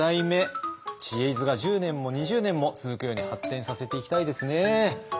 「知恵泉」が１０年も２０年も続くように発展させていきたいですね。